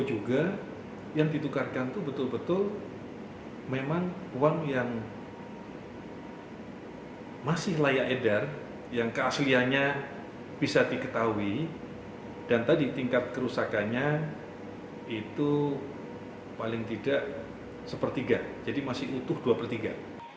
uang yang masih layak edar yang keaslianya bisa diketahui dan tadi tingkat kerusakannya itu paling tidak sepertiga jadi masih utuh dua pertiga